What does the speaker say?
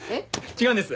違うんです。